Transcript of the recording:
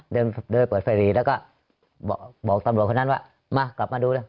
เดินเปิดไฟรีแล้วก็บอกตำรวจคนนั้นว่ามากลับมาดูเลย